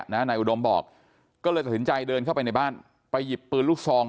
นายอุดมบอกก็เลยตัดสินใจเดินเข้าไปในบ้านไปหยิบปืนลูกซอง